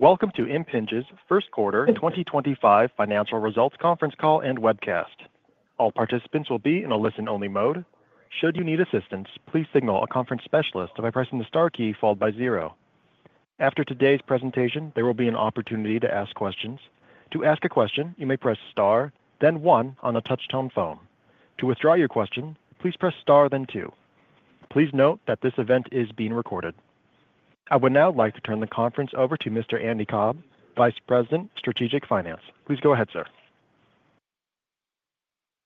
Welcome to Impinj's First Quarter 2025 Financial Results Conference Call and Webcast. All participants will be in a listen-only mode. Should you need assistance, please signal a conference specialist by pressing the star key followed by zero. After today's presentation, there will be an opportunity to ask questions. To ask a question, you may press star, then one on a touch-tone phone. To withdraw your question, please press star, then two. Please note that this event is being recorded. I would now like to turn the conference over to Mr. Andy Cobb, Vice President, Strategic Finance. Please go ahead, sir.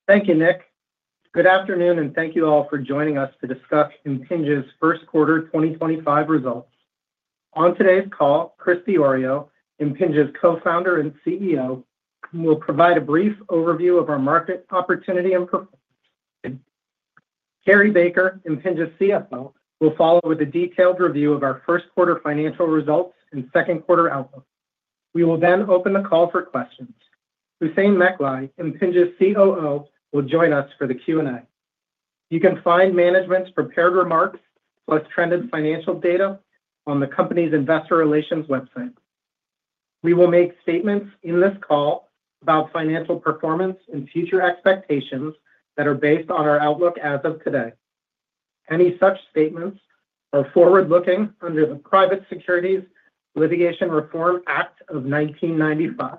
Thank you, Nick. Good afternoon, and thank you all for joining us to discuss Impinj's first quarter 2025 results. On today's call, Chris Diorio, Impinj's Co-Founder and CEO, will provide a brief overview of our market opportunity and performance. Cary Baker, Impinj's CFO, will follow with a detailed review of our first quarter financial results and second quarter outlook. We will then open the call for questions. Hussein Mecklai, Impinj's COO, will join us for the Q&A. You can find management's prepared remarks plus trended financial data on the company's investor relations website. We will make statements in this call about financial performance and future expectations that are based on our outlook as of today. Any such statements are forward-looking under the Private Securities Litigation Reform Act of 1995.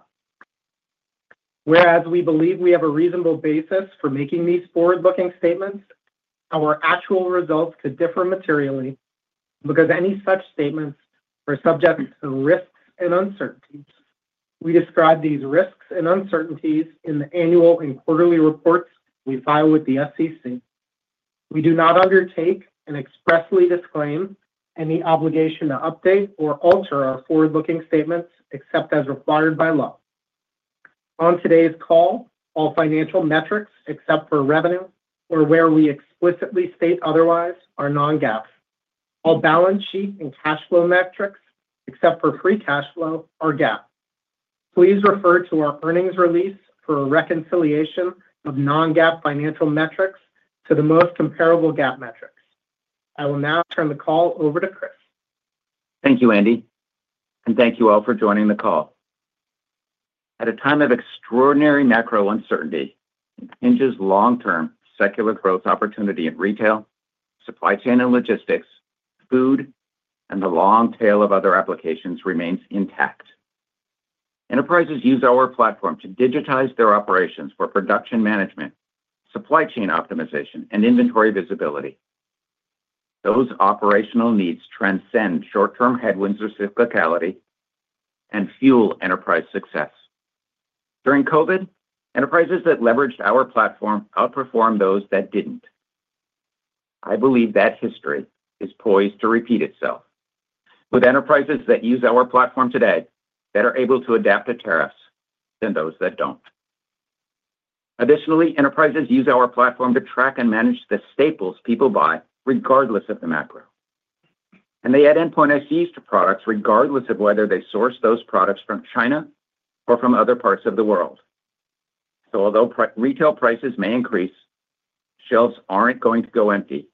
Whereas we believe we have a reasonable basis for making these forward-looking statements, our actual results could differ materially because any such statements are subject to risks and uncertainties. We describe these risks and uncertainties in the annual and quarterly reports we file with the SEC. We do not undertake and expressly disclaim any obligation to update or alter our forward-looking statements except as required by law. On today's call, all financial metrics except for revenue, or where we explicitly state otherwise, are non-GAAP. All balance sheet and cash flow metrics except for free cash flow are GAAP. Please refer to our earnings release for a reconciliation of non-GAAP financial metrics to the most comparable GAAP metrics. I will now turn the call over to Chris. Thank you, Andy, and thank you all for joining the call. At a time of extraordinary macro uncertainty, Impinj's long-term secular growth opportunity in retail, supply chain and logistics, food, and the long tail of other applications remains intact. Enterprises use our platform to digitize their operations for production management, supply chain optimization, and inventory visibility. Those operational needs transcend short-term headwinds or cyclicality and fuel enterprise success. During COVID, enterprises that leveraged our platform outperformed those that did not. I believe that history is poised to repeat itself with enterprises that use our platform today that are able to adapt to tariffs than those that do not. Additionally, enterprises use our platform to track and manage the staples people buy regardless of the macro, and they add endpoint ICs to products regardless of whether they source those products from China or from other parts of the world. Although retail prices may increase, shelves aren't going to go empty,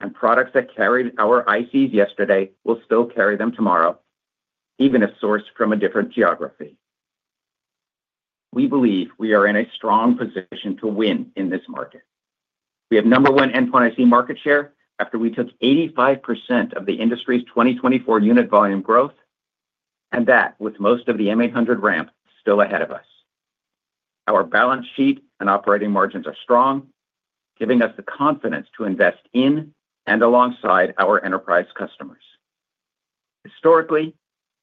and products that carried our ICs yesterday will still carry them tomorrow, even if sourced from a different geography. We believe we are in a strong position to win in this market. We have number one endpoint IC market share after we took 85% of the industry's 2024 unit volume growth, and that with most of the M800 ramp still ahead of us. Our balance sheet and operating margins are strong, giving us the confidence to invest in and alongside our enterprise customers. Historically,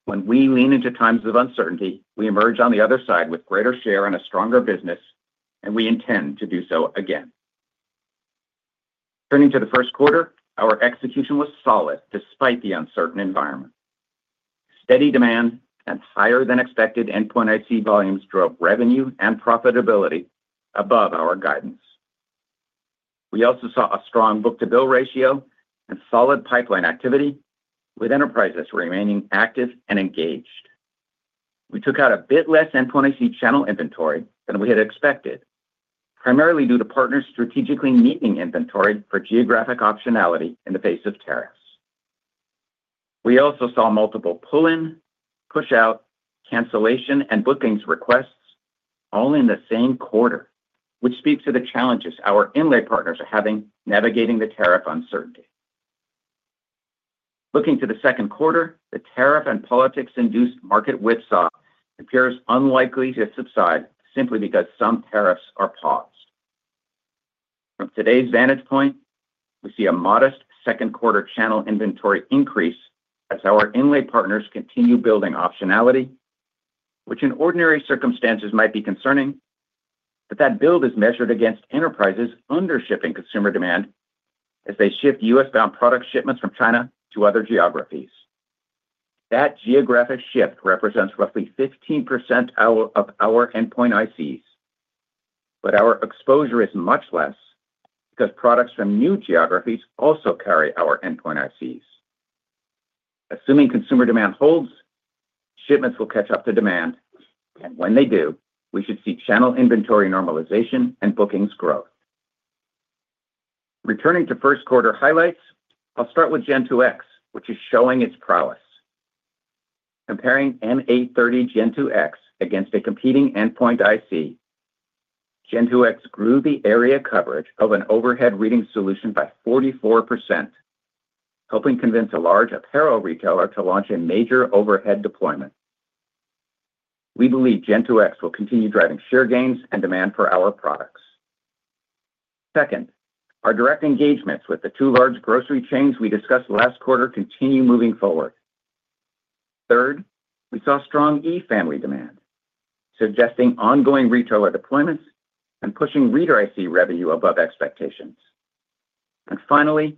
when we lean into times of uncertainty, we emerge on the other side with greater share and a stronger business, and we intend to do so again. Turning to the first quarter, our execution was solid despite the uncertain environment. Steady demand and higher-than-expected endpoint IC volumes drove revenue and profitability above our guidance. We also saw a strong book-to-bill ratio and solid pipeline activity, with enterprises remaining active and engaged. We took out a bit less endpoint IC channel inventory than we had expected, primarily due to partners strategically needing inventory for geographic optionality in the face of tariffs. We also saw multiple pull-in, push-out, cancellation, and bookings requests all in the same quarter, which speaks to the challenges our inlay partners are having navigating the tariff uncertainty. Looking to the second quarter, the tariff and politics-induced market withdrawal appears unlikely to subside simply because some tariffs are paused. From today's vantage point, we see a modest second quarter channel inventory increase as our inlay partners continue building optionality, which in ordinary circumstances might be concerning, but that build is measured against enterprises' undershipping consumer demand as they shift U.S.-bound product shipments from China to other geographies. That geographic shift represents roughly 15% of our endpoint ICs, but our exposure is much less because products from new geographies also carry our endpoint ICs. Assuming consumer demand holds, shipments will catch up to demand, and when they do, we should see channel inventory normalization and bookings growth. Returning to first quarter highlights, I'll start with Gen2X, which is showing its prowess. Comparing M830 Gen2X against a competing endpoint IC, Gen2X grew the area coverage of an overhead reading solution by 44%, helping convince a large apparel retailer to launch a major overhead deployment. We believe Gen2X will continue driving share gains and demand for our products. Second, our direct engagements with the two large grocery chains we discussed last quarter continue moving forward. Third, we saw strong E Family demand, suggesting ongoing retailer deployments and pushing reader IC revenue above expectations. Finally,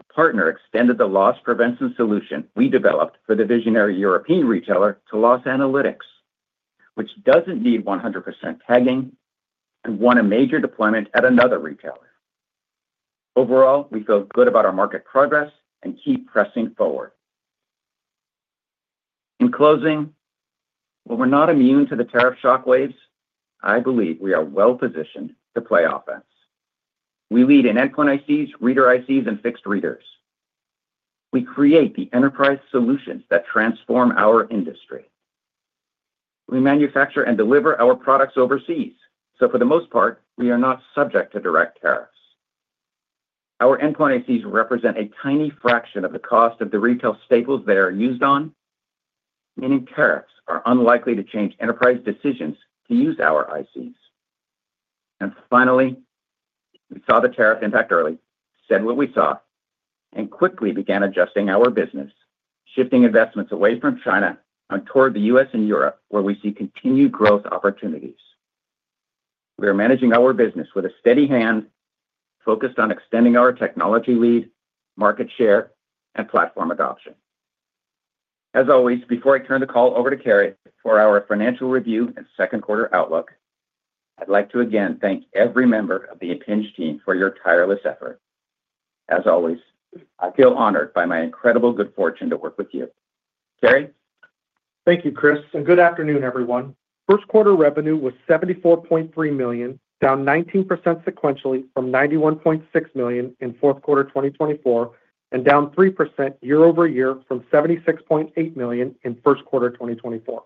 a partner extended the loss prevention solution we developed for the visionary European retailer to loss analytics, which does not need 100% tagging and won a major deployment at another retailer. Overall, we feel good about our market progress and keep pressing forward. In closing, while we are not immune to the tariff shockwaves, I believe we are well-positioned to play offense. We lead in endpoint ICs, reader ICs, and fixed readers. We create the enterprise solutions that transform our industry. We manufacture and deliver our products overseas, so for the most part, we are not subject to direct tariffs. Our endpoint ICs represent a tiny fraction of the cost of the retail staples they are used on, meaning tariffs are unlikely to change enterprise decisions to use our ICs. Finally, we saw the tariff impact early, said what we saw, and quickly began adjusting our business, shifting investments away from China and toward the U.S. and Europe, where we see continued growth opportunities. We are managing our business with a steady hand focused on extending our technology lead, market share, and platform adoption. As always, before I turn the call over to Cary for our financial review and second quarter outlook, I'd like to again thank every member of the Impinj team for your tireless effort. As always, I feel honored by my incredible good fortune to work with you. Cary? Thank you, Chris. Good afternoon, everyone. First quarter revenue was $74.3 million, down 19% sequentially from $91.6 million in fourth quarter 2024, and down 3% year-over-year from $76.8 million in first quarter 2024.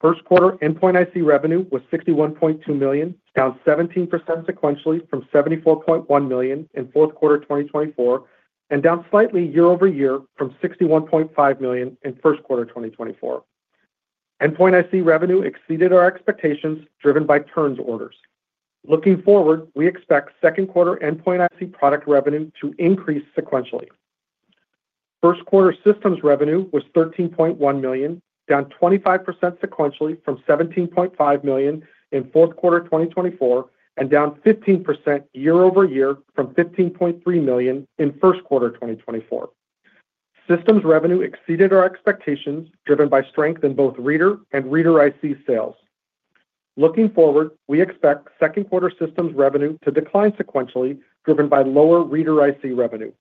First quarter endpoint IC revenue was $61.2 million, down 17% sequentially from $74.1 million in fourth quarter 2024, and down slightly year-over-year from $61.5 million in first quarter 2024. Endpoint IC revenue exceeded our expectations driven by turns orders. Looking forward, we expect second quarter endpoint IC product revenue to increase sequentially. First quarter systems revenue was $13.1 million, down 25% sequentially from $17.5 million in fourth quarter 2024, and down 15% year-over-year from $15.3 million in first quarter 2024. Systems revenue exceeded our expectations driven by strength in both reader and reader IC sales. Looking forward, we expect second quarter systems revenue to decline sequentially driven by lower reader IC revenue.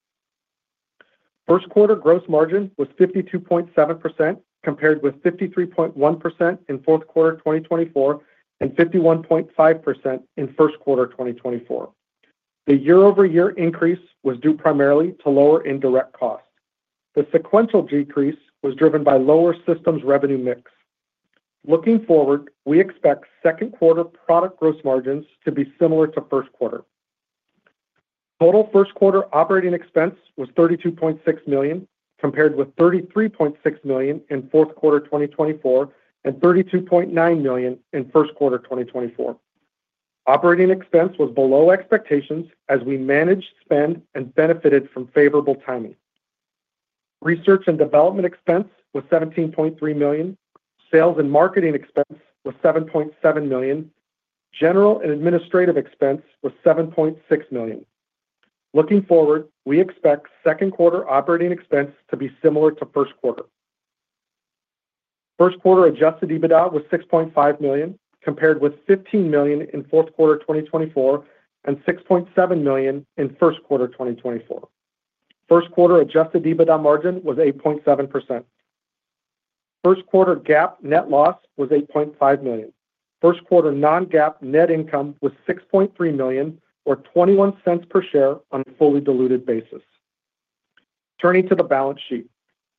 First quarter gross margin was 52.7% compared with 53.1% in fourth quarter 2024 and 51.5% in first quarter 2024. The year-over-year increase was due primarily to lower indirect cost. The sequential decrease was driven by lower systems revenue mix. Looking forward, we expect second quarter product gross margins to be similar to first quarter. Total first quarter operating expense was $32.6 million compared with $33.6 million in fourth quarter 2024 and $32.9 million in first quarter 2024. Operating expense was below expectations as we managed, spent, and benefited from favorable timing. Research and development expense was $17.3 million. Sales and marketing expense was $7.7 million. General and administrative expense was $7.6 million. Looking forward, we expect second quarter operating expense to be similar to first quarter. First quarter Adjusted EBITDA was $6.5 million compared with $15 million in fourth quarter 2024 and $6.7 million in first quarter 2024. First quarter Adjusted EBITDA margin was 8.7%. First quarter GAAP net loss was $8.5 million. First quarter non-GAAP net income was $6.3 million, or $0.21 per share on a fully diluted basis. Turning to the balance sheet,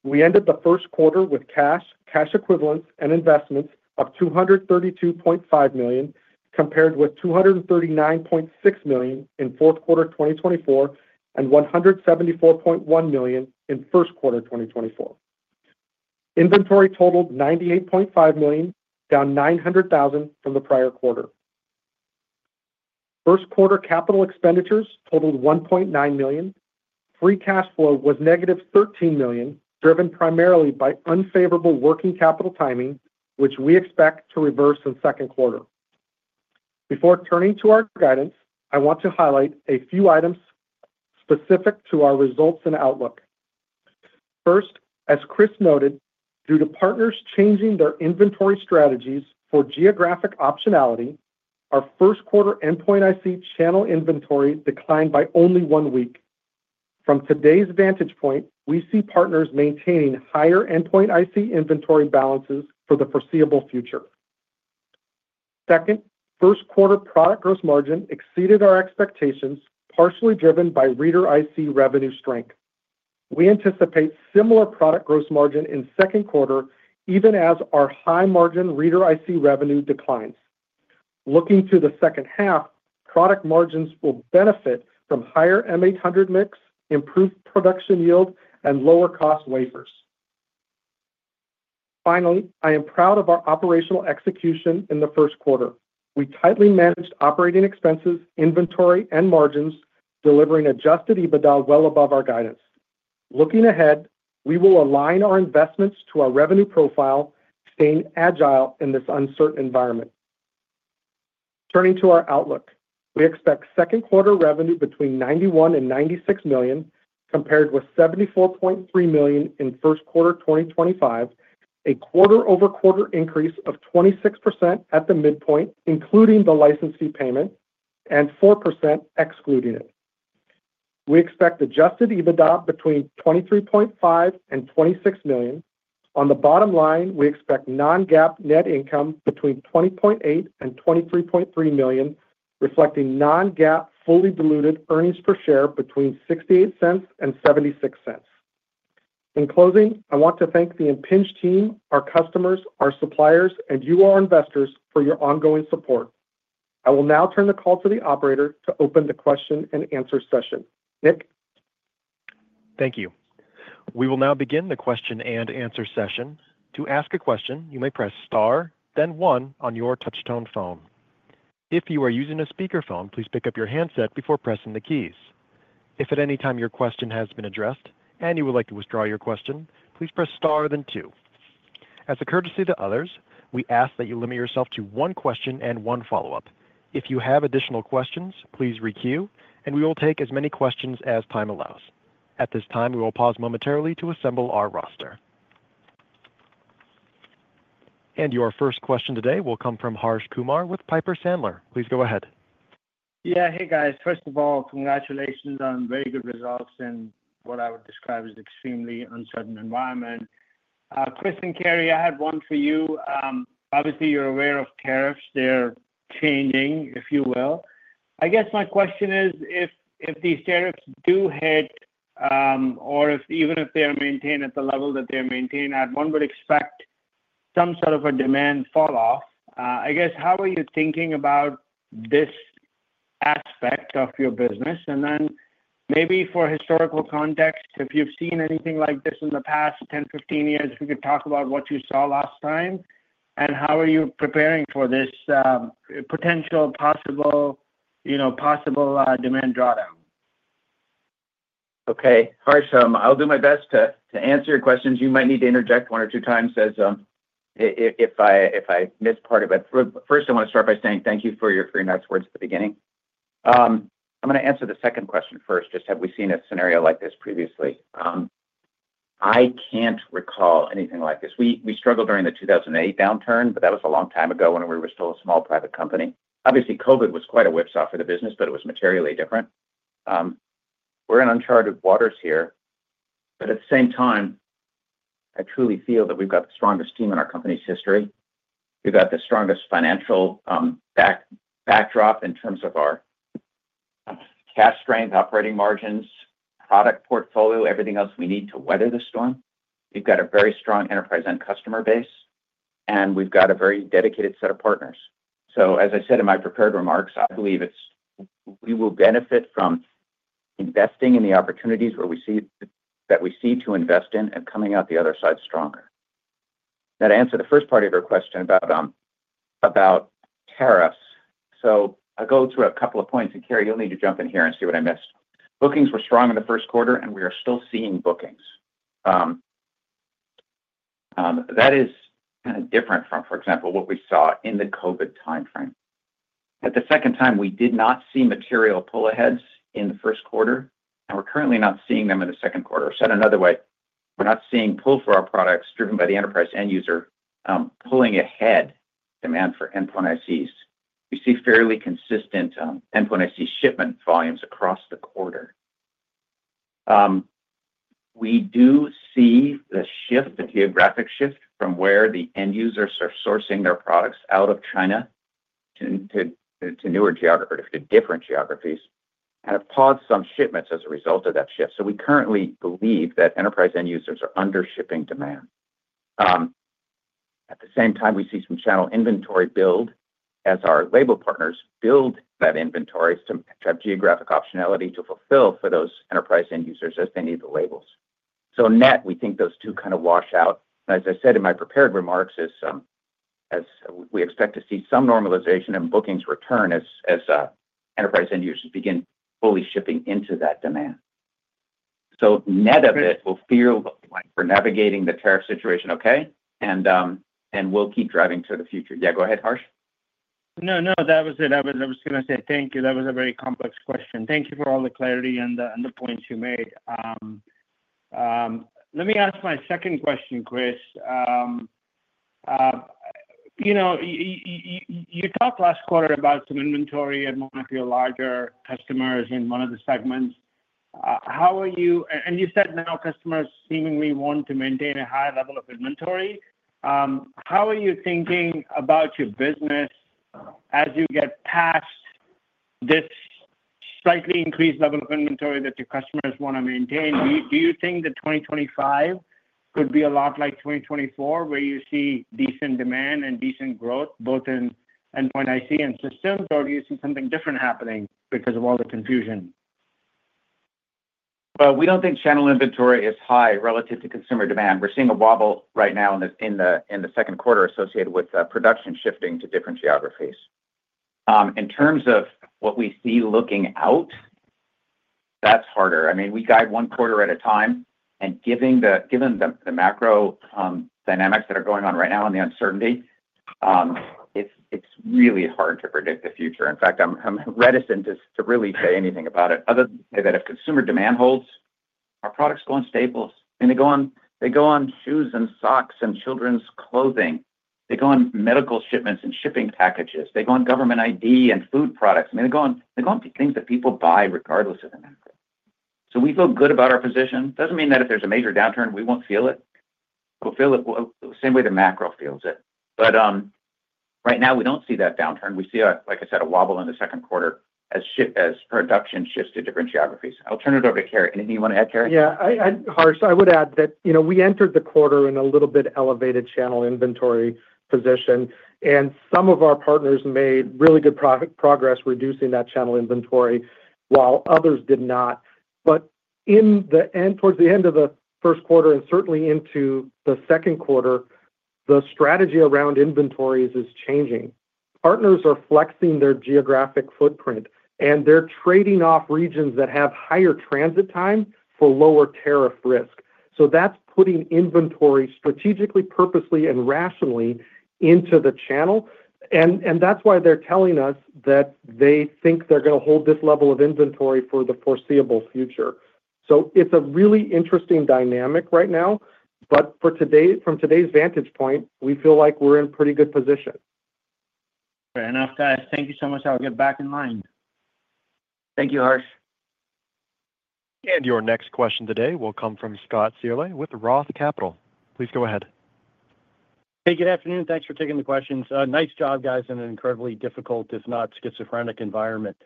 we ended the first quarter with cash, cash equivalents, and investments of $232.5 million compared with $239.6 million in fourth quarter 2024 and $174.1 million in first quarter 2024. Inventory totaled $98.5 million, down $900,000 from the prior quarter. First quarter capital expenditures totaled $1.9 million. Free cash flow was negative $13 million, driven primarily by unfavorable working capital timing, which we expect to reverse in second quarter. Before turning to our guidance, I want to highlight a few items specific to our results and outlook. First, as Chris noted, due to partners changing their inventory strategies for geographic optionality, our first quarter endpoint IC channel inventory declined by only one week. From today's vantage point, we see partners maintaining higher endpoint IC inventory balances for the foreseeable future. Second, first quarter product gross margin exceeded our expectations, partially driven by reader IC revenue strength. We anticipate similar product gross margin in second quarter, even as our high-margin reader IC revenue declines. Looking to the second half, product margins will benefit from higher M800 mix, improved production yield, and lower cost wafers. Finally, I am proud of our operational execution in the first quarter. We tightly managed operating expenses, inventory, and margins, delivering Adjusted EBITDA well above our guidance. Looking ahead, we will align our investments to our revenue profile, staying agile in this uncertain environment. Turning to our outlook, we expect second quarter revenue between $91 million and $96 million, compared with $74.3 million in first quarter 2025, a quarter-over-quarter increase of 26% at the midpoint, including the license fee payment, and 4% excluding it. We expect Adjusted EBITDA between $23.5 million and $26 million. On the bottom line, we expect non-GAAP net income between $20.8 million and $23.3 million, reflecting non-GAAP fully diluted earnings per share between $0.68 and $0.76. In closing, I want to thank the Impinj team, our customers, our suppliers, and you, our investors, for your ongoing support. I will now turn the call to the operator to open the question and answer session. Nick? Thank you. We will now begin the question and answer session. To ask a question, you may press star, then one on your touch-tone phone. If you are using a speakerphone, please pick up your handset before pressing the keys. If at any time your question has been addressed and you would like to withdraw your question, please press star, then two. As a courtesy to others, we ask that you limit yourself to one question and one follow-up. If you have additional questions, please requeue, and we will take as many questions as time allows. At this time, we will pause momentarily to assemble our roster. Your first question today will come from Harsh Kumar with Piper Sandler. Please go ahead. Yeah, hey, guys. First of all, congratulations on very good results in what I would describe as an extremely uncertain environment. Chris and Cary, I had one for you. Obviously, you're aware of tariffs. They're changing, if you will. I guess my question is, if these tariffs do hit, or even if they are maintained at the level that they are maintained at, one would expect some sort of a demand falloff. I guess, how are you thinking about this aspect of your business? Maybe for historical context, if you've seen anything like this in the past 10, 15 years, if we could talk about what you saw last time and how are you preparing for this potential possible demand drawdown? Okay. Harsh, I'll do my best to answer your questions. You might need to interject one or two times if I missed part of it. First, I want to start by saying thank you for your nice words at the beginning. I'm going to answer the second question first, just have we seen a scenario like this previously? I can't recall anything like this. We struggled during the 2008 downturn, but that was a long time ago when we were still a small private company. Obviously, COVID was quite a whipsaw for the business, but it was materially different. We're in uncharted waters here. At the same time, I truly feel that we've got the strongest team in our company's history. We've got the strongest financial backdrop in terms of our cash strength, operating margins, product portfolio, everything else we need to weather the storm. We've got a very strong enterprise and customer base, and we've got a very dedicated set of partners. As I said in my prepared remarks, I believe we will benefit from investing in the opportunities that we see to invest in and coming out the other side stronger. That answered the first part of your question about tariffs. I'll go through a couple of points. Cary, you'll need to jump in here and see what I missed. Bookings were strong in the first quarter, and we are still seeing bookings. That is kind of different from, for example, what we saw in the COVID timeframe. At the second time, we did not see material pull aheads in the first quarter, and we're currently not seeing them in the second quarter. Said another way, we're not seeing pull for our products driven by the enterprise end user pulling ahead demand for endpoint ICs. We see fairly consistent endpoint IC shipment volumes across the quarter. We do see the shift, the geographic shift from where the end users are sourcing their products out of China to newer geographies, to different geographies, and have paused some shipments as a result of that shift. We currently believe that enterprise end users are under shipping demand. At the same time, we see some channel inventory build as our label partners build that inventory to have geographic optionality to fulfill for those enterprise end users as they need the labels. Net, we think those two kind of wash out. As I said in my prepared remarks, we expect to see some normalization and bookings return as enterprise end users begin fully shipping into that demand. Net of it, we feel like we're navigating the tariff situation okay, and we'll keep driving to the future. Yeah, go ahead, Harsh. No, no, that was it. I was just going to say thank you. That was a very complex question. Thank you for all the clarity and the points you made. Let me ask my second question, Chris. You talked last quarter about some inventory amongst your larger customers in one of the segments. You said now customers seemingly want to maintain a high level of inventory. How are you thinking about your business as you get past this slightly increased level of inventory that your customers want to maintain? Do you think that 2025 could be a lot like 2024, where you see decent demand and decent growth both in endpoint IC and systems, or do you see something different happening because of all the confusion? We do not think channel inventory is high relative to consumer demand. We are seeing a wobble right now in the second quarter associated with production shifting to different geographies. In terms of what we see looking out, that is harder. I mean, we guide one quarter at a time. Given the macro dynamics that are going on right now and the uncertainty, it is really hard to predict the future. In fact, I am reticent to really say anything about it, other than say that if consumer demand holds, our products go on staples. I mean, they go on shoes and socks and children's clothing. They go on medical shipments and shipping packages. They go on government ID and food products. I mean, they go on things that people buy regardless of the macro. We feel good about our position. Doesn't mean that if there's a major downturn, we won't feel it. We'll feel it the same way the macro feels it. Right now, we don't see that downturn. We see, like I said, a wobble in the second quarter as production shifts to different geographies. I'll turn it over to Cary. Anything you want to add, Cary? Yeah. Harsh, I would add that we entered the quarter in a little bit elevated channel inventory position, and some of our partners made really good progress reducing that channel inventory, while others did not. Towards the end of the first quarter and certainly into the second quarter, the strategy around inventories is changing. Partners are flexing their geographic footprint, and they're trading off regions that have higher transit time for lower tariff risk. That is putting inventory strategically, purposely, and rationally into the channel. That is why they're telling us that they think they're going to hold this level of inventory for the foreseeable future. It is a really interesting dynamic right now. From today's vantage point, we feel like we're in a pretty good position. Fair enough, guys. Thank you so much. I'll get back in line. Thank you, Harsh. Your next question today will come from Scott Searle with Roth Capital. Please go ahead. Hey, good afternoon. Thanks for taking the questions. Nice job, guys, in an incredibly difficult, if not schizophrenic, environment.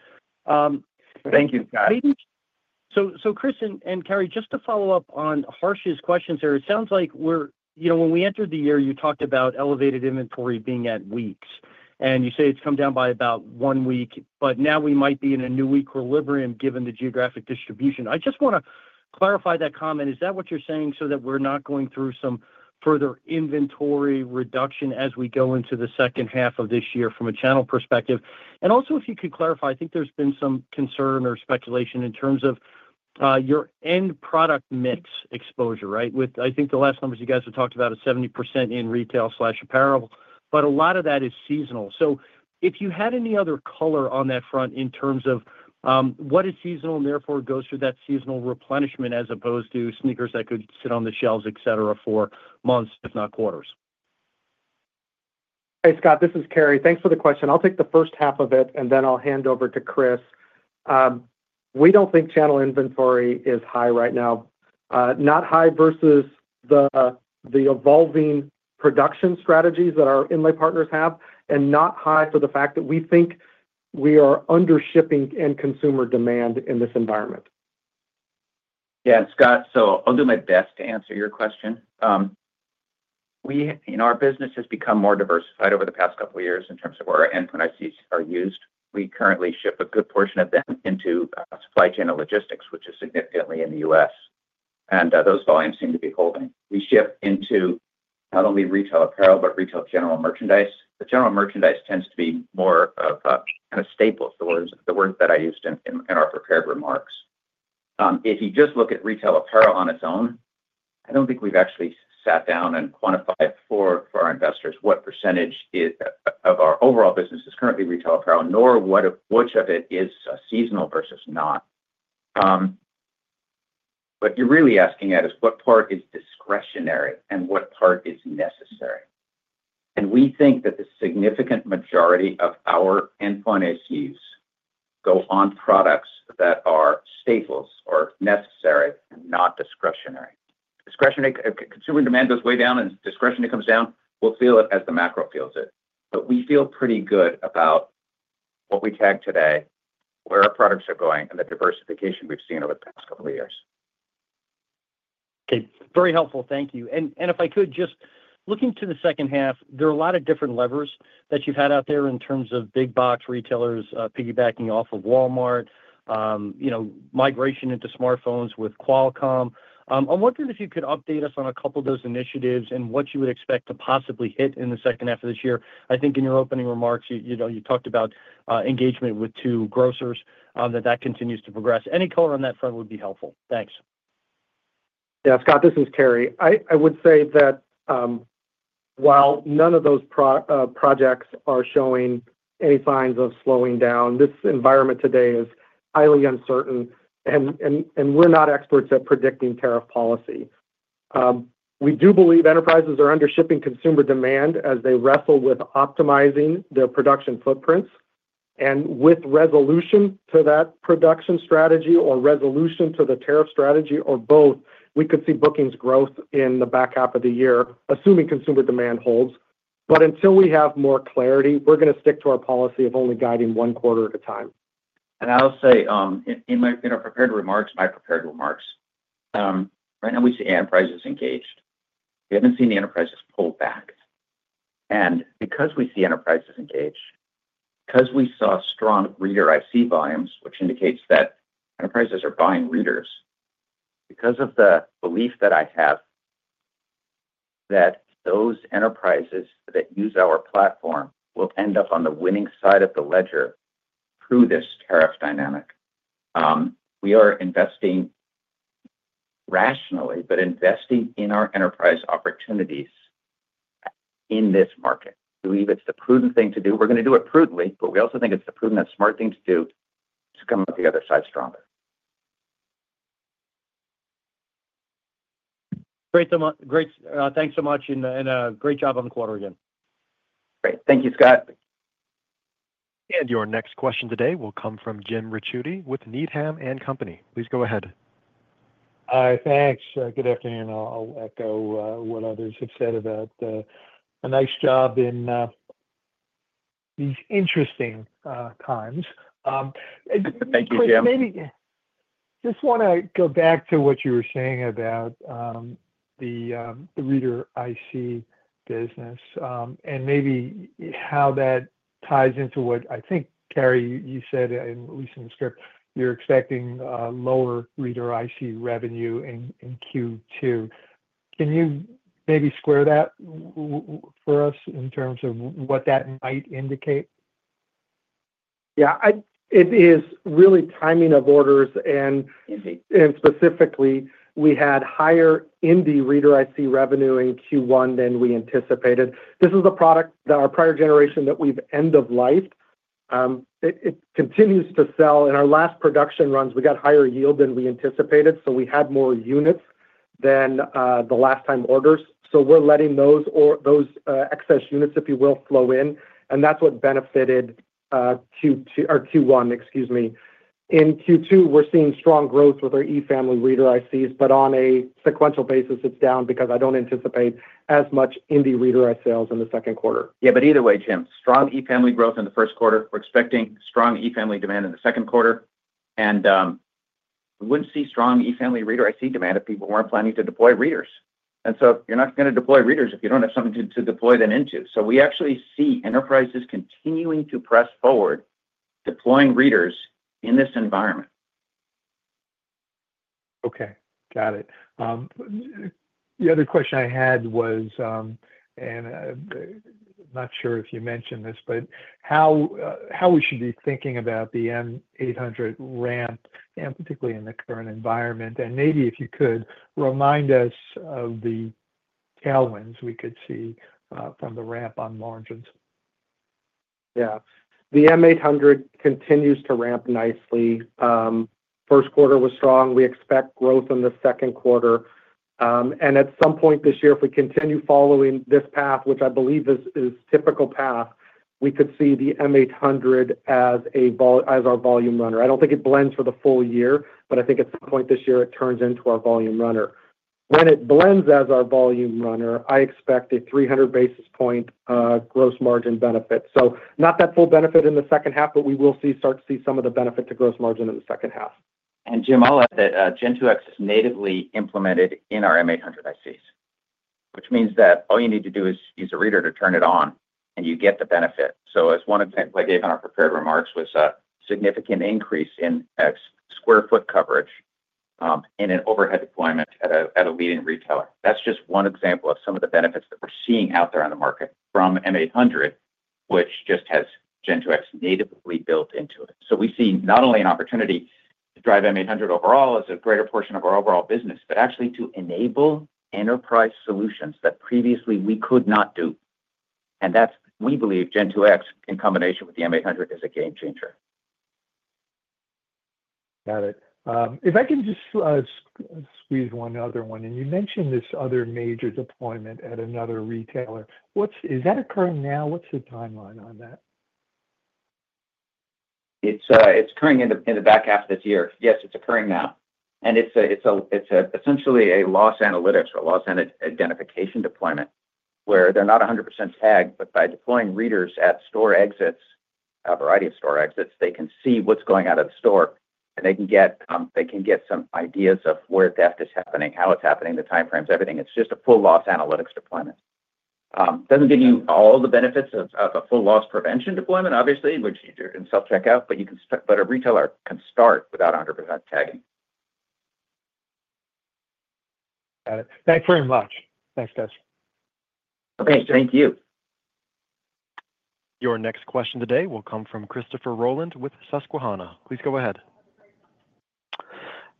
Thank you, Scott. Chris and Cary, just to follow up on Harsh's questions here, it sounds like when we entered the year, you talked about elevated inventory being at weeks. You say it's come down by about one week, but now we might be in a new week or [liverium] given the geographic distribution. I just want to clarify that comment. Is that what you're saying so that we're not going through some further inventory reduction as we go into the second half of this year from a channel perspective? Also, if you could clarify, I think there's been some concern or speculation in terms of your end product mix exposure, right? I think the last numbers you guys had talked about are 70% in retail/apparel, but a lot of that is seasonal. If you had any other color on that front in terms of what is seasonal and therefore goes through that seasonal replenishment as opposed to sneakers that could sit on the shelves, etc., for months, if not quarters? Hey, Scott, this is Cary. Thanks for the question. I'll take the first half of it, and then I'll hand over to Chris. We don't think channel inventory is high right now. Not high versus the evolving production strategies that our inlay partners have, and not high for the fact that we think we are under shipping and consumer demand in this environment. Yeah, Scott, I'll do my best to answer your question. Our business has become more diversified over the past couple of years in terms of where our endpoint ICs are used. We currently ship a good portion of them into supply chain and logistics, which is significantly in the U.S. Those volumes seem to be holding. We ship into not only retail apparel, but retail general merchandise. The general merchandise tends to be more of kind of staples, the words that I used in our prepared remarks. If you just look at retail apparel on its own, I don't think we've actually sat down and quantified for our investors what percentage of our overall business is currently retail apparel, nor which of it is seasonal versus not. What you're really asking at is what part is discretionary and what part is necessary. We think that the significant majority of our endpoint ICs go on products that are staples or necessary and not discretionary. Consumer demand goes way down, and discretionary comes down. We'll feel it as the macro feels it. We feel pretty good about what we tag today, where our products are going, and the diversification we've seen over the past couple of years. Okay. Very helpful. Thank you. If I could, just looking to the second half, there are a lot of different levers that you've had out there in terms of big box retailers piggybacking off of Walmart, migration into smartphones with Qualcomm. I'm wondering if you could update us on a couple of those initiatives and what you would expect to possibly hit in the second half of this year. I think in your opening remarks, you talked about engagement with two grocers, that that continues to progress. Any color on that front would be helpful. Thanks. Yeah, Scott, this is Cary. I would say that while none of those projects are showing any signs of slowing down, this environment today is highly uncertain, and we're not experts at predicting tariff policy. We do believe enterprises are under shipping consumer demand as they wrestle with optimizing their production footprints. With resolution to that production strategy or resolution to the tariff strategy or both, we could see bookings growth in the back half of the year, assuming consumer demand holds. Until we have more clarity, we're going to stick to our policy of only guiding one quarter at a time. In our prepared remarks, my prepared remarks. Right now, we see enterprises engaged. We have not seen the enterprises pull back. Because we see enterprises engaged, because we saw strong reader IC volumes, which indicates that enterprises are buying readers, because of the belief that I have that those enterprises that use our platform will end up on the winning side of the ledger through this tariff dynamic, we are investing rationally, but investing in our enterprise opportunities in this market. We believe it is the prudent thing to do. We are going to do it prudently, but we also think it is the prudent and smart thing to do to come out the other side stronger. Great. Thanks so much. Great job on the quarter again. Great. Thank you, Scott. Your next question today will come from Jim Ricchiuti with Needham and Company. Please go ahead. Hi, thanks. Good afternoon. I'll echo what others have said about a nice job in these interesting times. Thank you, Jim. Just want to go back to what you were saying about the reader IC business and maybe how that ties into what I think, Cary, you said, and at least in the script, you're expecting lower reader IC revenue in Q2. Can you maybe square that for us in terms of what that might indicate? Yeah. It is really timing of orders. Specifically, we had higher Indy reader IC revenue in Q1 than we anticipated. This is a product that is our prior generation that we've end-of-lifed. It continues to sell. In our last production runs, we got higher yield than we anticipated, so we had more units than the last time orders. We're letting those excess units, if you will, flow in. That's what benefited Q1, excuse me. In Q2, we're seeing strong growth with our E Family reader ICs, but on a sequential basis, it's down because I don't anticipate as much Indy reader IC sales in the second quarter. Yeah, but either way, Jim, strong E Family growth in the first quarter. We're expecting strong E Family demand in the second quarter. We wouldn't see strong E Family reader IC demand if people weren't planning to deploy readers. You're not going to deploy readers if you don't have something to deploy them into. We actually see enterprises continuing to press forward deploying readers in this environment. Okay. Got it. The other question I had was, and I'm not sure if you mentioned this, but how we should be thinking about the M800 ramp, particularly in the current environment. Maybe if you could remind us of the tailwinds we could see from the ramp on margins. Yeah. The M800 continues to ramp nicely. First quarter was strong. We expect growth in the second quarter. At some point this year, if we continue following this path, which I believe is a typical path, we could see the M800 as our volume runner. I do not think it blends for the full year, but I think at some point this year, it turns into our volume runner. When it blends as our volume runner, I expect a 300 basis point gross margin benefit. Not that full benefit in the second half, but we will start to see some of the benefit to gross margin in the second half. Jim, I'll add that Gen2X is natively implemented in our M800 ICs, which means that all you need to do is use a reader to turn it on, and you get the benefit. One example I gave in our prepared remarks was a significant increase in square foot coverage in an overhead deployment at a leading retailer. That is just one example of some of the benefits that we are seeing out there on the market from M800, which just has Gen2X natively built into it. We see not only an opportunity to drive M800 overall as a greater portion of our overall business, but actually to enable enterprise solutions that previously we could not do. We believe Gen2X in combination with the M800 is a game changer. Got it. If I can just squeeze one other one in. You mentioned this other major deployment at another retailer. Is that occurring now? What's the timeline on that? It's occurring in the back half of this year. Yes, it's occurring now. It's essentially a loss analytics or loss identification deployment where they're not 100% tagged, but by deploying readers at store exits, a variety of store exits, they can see what's going out of the store, and they can get some ideas of where theft is happening, how it's happening, the time frames, everything. It's just a full loss analytics deployment. It doesn't give you all the benefits of a full loss prevention deployment, obviously, which you can self-check out, but a retailer can start without 100% tagging. Got it. Thanks very much. Thanks, guys. Okay. Thank you. Your next question today will come from Christopher Rolland with Susquehanna. Please go ahead.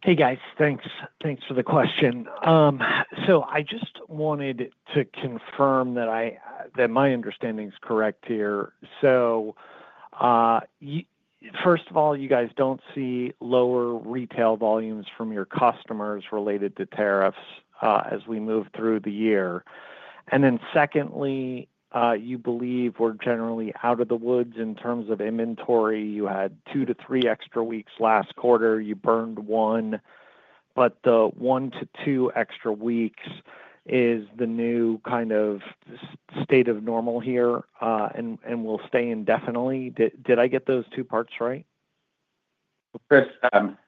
Hey, guys. Thanks for the question. I just wanted to confirm that my understanding is correct here. First of all, you guys do not see lower retail volumes from your customers related to tariffs as we move through the year. Secondly, you believe we are generally out of the woods in terms of inventory. You had two to three extra weeks last quarter. You burned one. The one to two extra weeks is the new kind of state of normal here and will stay indefinitely. Did I get those two parts right? Chris,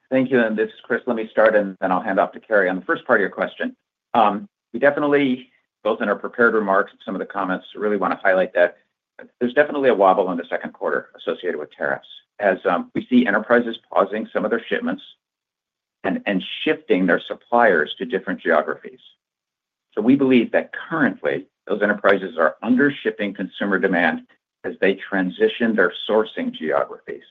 thank you. This is Chris. Let me start, and then I'll hand off to Cary on the first part of your question. We definitely, both in our prepared remarks and some of the comments, really want to highlight that there's definitely a wobble in the second quarter associated with tariffs as we see enterprises pausing some of their shipments and shifting their suppliers to different geographies. We believe that currently, those enterprises are under shipping consumer demand as they transition their sourcing geographies.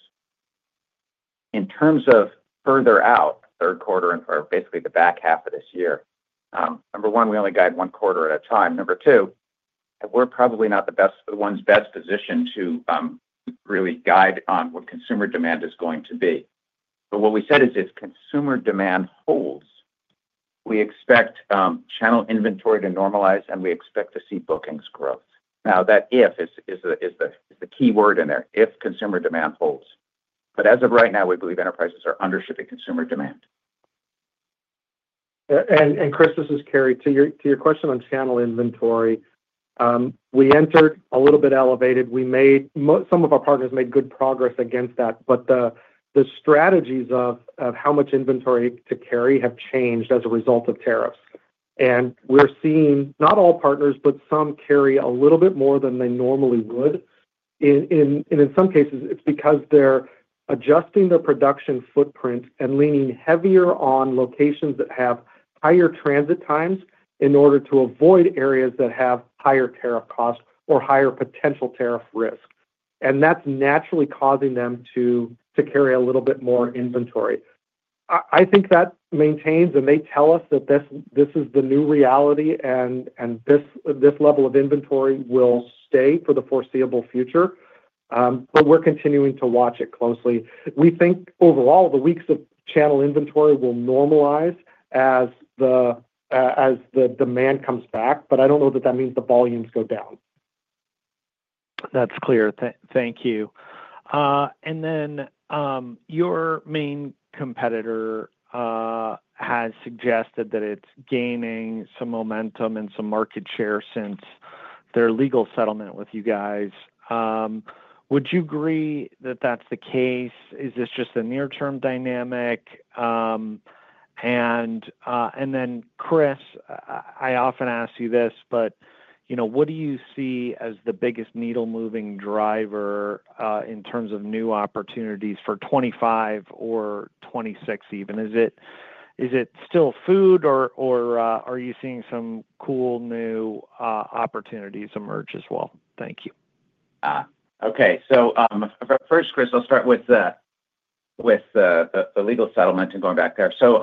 In terms of further out, third quarter and for basically the back half of this year, number one, we only guide one quarter at a time. Number two, we're probably not the ones best positioned to really guide on what consumer demand is going to be. What we said is if consumer demand holds, we expect channel inventory to normalize, and we expect to see bookings growth. Now, that if is the key word in there, if consumer demand holds. As of right now, we believe enterprises are under shipping consumer demand. Chris, this is Cary. To your question on channel inventory, we entered a little bit elevated. Some of our partners made good progress against that, but the strategies of how much inventory to carry have changed as a result of tariffs. We are seeing not all partners, but some carry a little bit more than they normally would. In some cases, it is because they are adjusting their production footprint and leaning heavier on locations that have higher transit times in order to avoid areas that have higher tariff costs or higher potential tariff risk. That is naturally causing them to carry a little bit more inventory. I think that maintains, and they tell us that this is the new reality, and this level of inventory will stay for the foreseeable future. We are continuing to watch it closely. We think overall, the weeks of channel inventory will normalize as the demand comes back, but I don't know that that means the volumes go down. That's clear. Thank you. Your main competitor has suggested that it's gaining some momentum and some market share since their legal settlement with you guys. Would you agree that that's the case? Is this just a near-term dynamic? Chris, I often ask you this, but what do you see as the biggest needle-moving driver in terms of new opportunities for 2025 or 2026 even? Is it still food, or are you seeing some cool new opportunities emerge as well? Thank you. Okay. First, Chris, I'll start with the legal settlement and going back there. So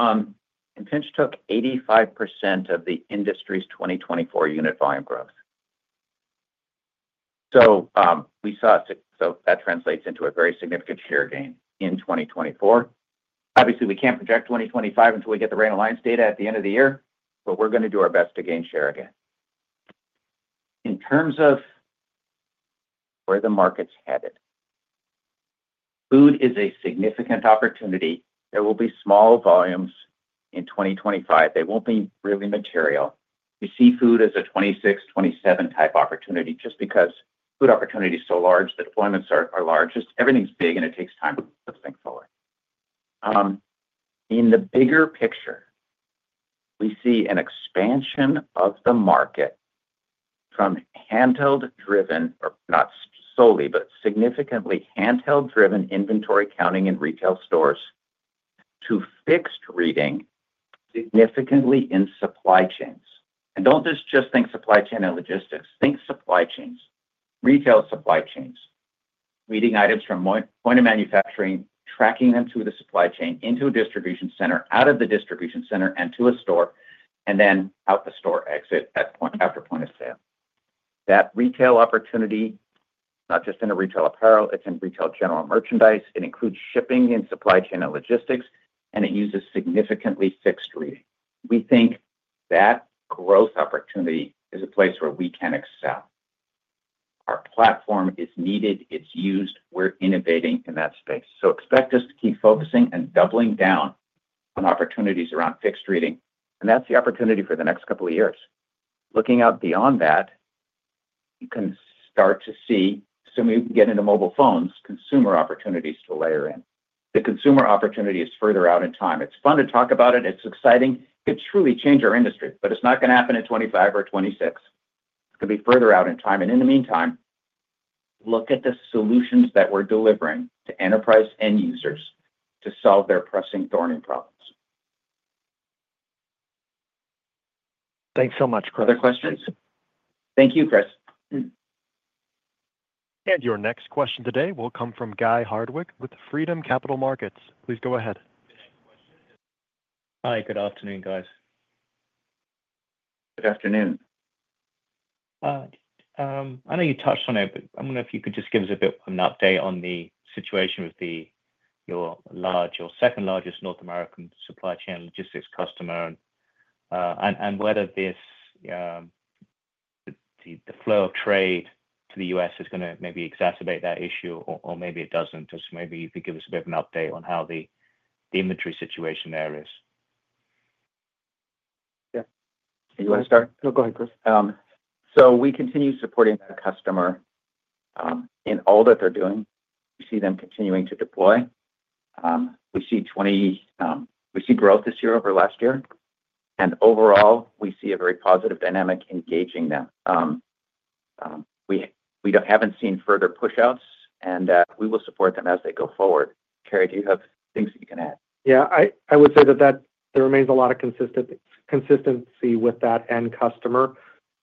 Impinj took 85% of the industry's 2024 unit volume growth. We saw that translates into a very significant share gain in 2024. Obviously, we can't project 2025 until we get the RAIN Alliance data at the end of the year, but we're going to do our best to gain share again. In terms of where the market's headed, food is a significant opportunity. There will be small volumes in 2025. They won't be really material. We see food as a 2026, 2027 type opportunity just because food opportunity is so large. The deployments are large. Everything's big, and it takes time to think forward. In the bigger picture, we see an expansion of the market from handheld-driven, or not solely, but significantly handheld-driven inventory counting in retail stores to fixed reading significantly in supply chains. Do not just think supply chain and logistics. Think supply chains, retail supply chains, reading items from point of manufacturing, tracking them through the supply chain into a distribution center, out of the distribution center and to a store, and then out the store exit after point of sale. That retail opportunity, not just in retail apparel, it's in retail general merchandise. It includes shipping and supply chain and logistics, and it uses significantly fixed reading. We think that growth opportunity is a place where we can excel. Our platform is needed. It's used. We're innovating in that space. Expect us to keep focusing and doubling down on opportunities around fixed reading. That's the opportunity for the next couple of years. Looking out beyond that, you can start to see, assuming we can get into mobile phones, consumer opportunities to layer in. The consumer opportunity is further out in time. It's fun to talk about it. It's exciting. It could truly change our industry, but it's not going to happen in 2025 or 2026. It's going to be further out in time. In the meantime, look at the solutions that we're delivering to enterprise end users to solve their pressing thorny problems. Thanks so much, Chris. Other questions? Thank you, Chris. Your next question today will come from Guy Hardwick with Freedom Capital Markets. Please go ahead. Hi. Good afternoon, guys. Good afternoon. I know you touched on it, but I'm going to ask you if you could just give us a bit of an update on the situation with your second-largest North American supply chain logistics customer and whether the flow of trade to the U.S. is going to maybe exacerbate that issue or maybe it doesn't. Just maybe you could give us a bit of an update on how the inventory situation there is. Yeah. You want to start? No, go ahead, Chris. We continue supporting that customer in all that they're doing. We see them continuing to deploy. We see growth this year over last year. Overall, we see a very positive dynamic engaging them. We haven't seen further push-outs, and we will support them as they go forward. Cary, do you have things that you can add? Yeah. I would say that there remains a lot of consistency with that end customer.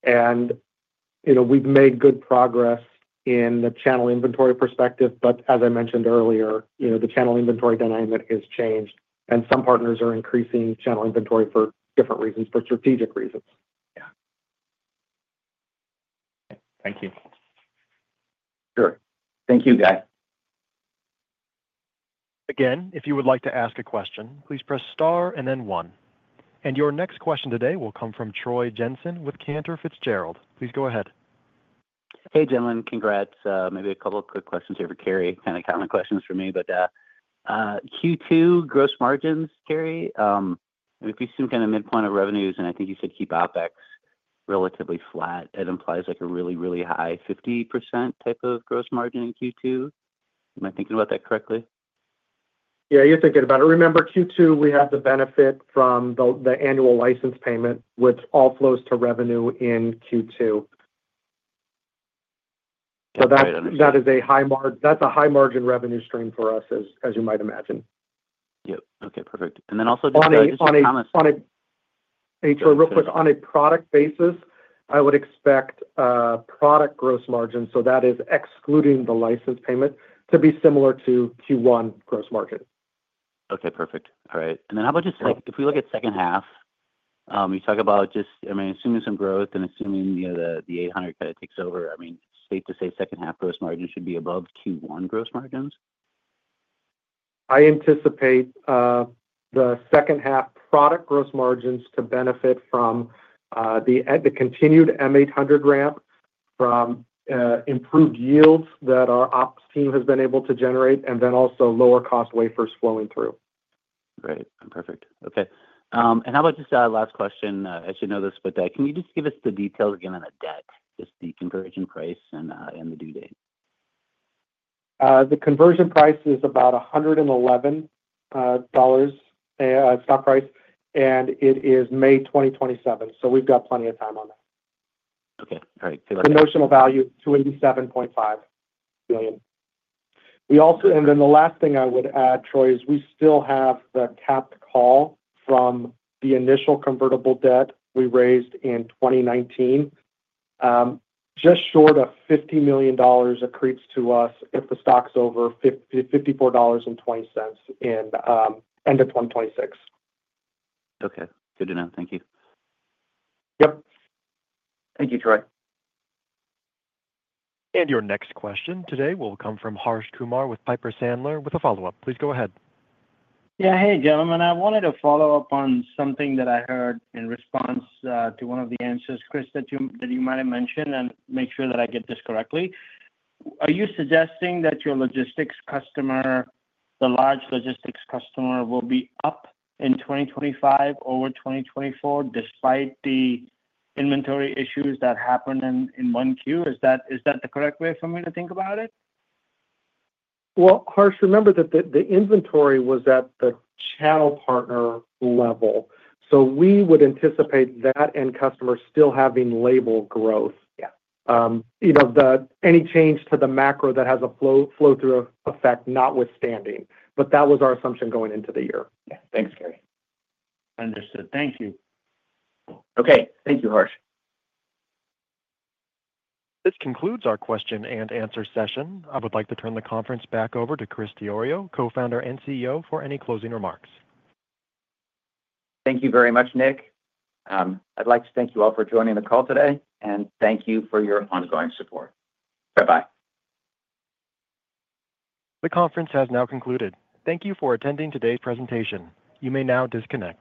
We've made good progress in the channel inventory perspective, but as I mentioned earlier, the channel inventory dynamic has changed, and some partners are increasing channel inventory for different reasons, for strategic reasons. Yeah. Thank you. Sure. Thank you, guys. Again, if you would like to ask a question, please press star and then one. Your next question today will come from Troy Jensen with Cantor Fitzgerald. Please go ahead. Hey, gentlemen. Congrats. Maybe a couple of quick questions here for Cary. Kind of common questions for me, but Q2 gross margins, Cary, if you see them kind of midpoint of revenues, and I think you said key book-to-bill relatively flat, it implies a really, really high 50% type of gross margin in Q2. Am I thinking about that correctly? Yeah, you're thinking about it. Remember, Q2, we had the benefit from the annual license payment, which all flows to revenue in Q2. That is a high margin revenue stream for us, as you might imagine. Yep. Okay. Perfect. Also just a comment. On a product basis, I would expect product gross margin, so that is excluding the license payment, to be similar to Q1 gross margin. Okay. Perfect. All right. How about just if we look at second half, you talk about just, I mean, assuming some growth and assuming the 800 kind of takes over, I mean, safe to say second half gross margin should be above Q1 gross margins? I anticipate the second half product gross margins to benefit from the continued M800 ramp from improved yields that our ops team has been able to generate, and then also lower cost wafers flowing through. Great. Perfect. Okay. How about just last question, as you know this, but can you just give us the details again on debt, just the conversion price and the due date? The conversion price is about $111 stock price, and it is May 2027. We've got plenty of time on that. Okay. All right. So that's. The notional value, $287.5 million. The last thing I would add, Troy, is we still have the capped call from the initial convertible debt we raised in 2019. Just short of $50 million accretes to us if the stock's over $54.20 in end of 2026. Okay. Good to know. Thank you. Yep. Thank you, Troy. Your next question today will come from Harsh Kumar with Piper Sandler with a follow-up. Please go ahead. Yeah. Hey, gentlemen. I wanted to follow up on something that I heard in response to one of the answers, Chris, that you might have mentioned, and make sure that I get this correctly. Are you suggesting that your logistics customer, the large logistics customer, will be up in 2025 or 2024 despite the inventory issues that happened in 1Q? Is that the correct way for me to think about it? Harsh, remember that the inventory was at the channel partner level. We would anticipate that end customer still having label growth, any change to the macro that has a flow-through effect, notwithstanding. That was our assumption going into the year. Yeah. Thanks, Cary. Understood. Thank you. Okay. Thank you, Harsh. This concludes our question and answer session. I would like to turn the conference back over to Chris Diorio, Co-Founder and CEO, for any closing remarks. Thank you very much, Nick. I'd like to thank you all for joining the call today, and thank you for your ongoing support. Bye-bye. The conference has now concluded. Thank you for attending today's presentation. You may now disconnect.